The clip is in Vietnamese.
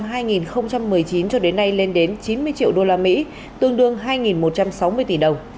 số tiền giao dịch qua sàn từ năm hai nghìn một mươi chín cho đến nay lên đến chín mươi triệu usd tương đương hai một trăm sáu mươi tỷ đồng